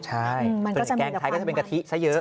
ใช่ส่วนแกงไทยก็จะเป็นกะทิซะเยอะ